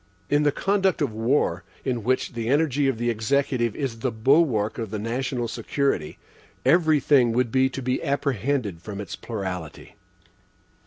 In the conduct of war, in which the energy of the Executive is the bulwark of the national security, every thing would be to be apprehended from its plurality.